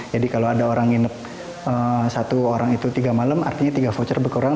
jadi kalau ada orang nginep satu orang itu tiga malam artinya tiga voucher berkurang